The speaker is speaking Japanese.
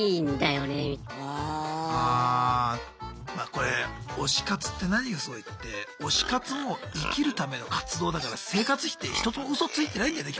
これ推し活って何がすごいって推し活も生きるための活動だから生活費って一つもウソついてないんだよね